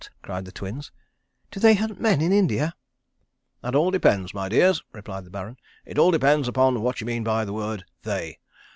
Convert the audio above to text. cried the Twins. "Do they hunt men in India?"? "That all depends, my dears," replied the Baron. "It all depends upon what you mean by the word they.